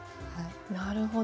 なるほど。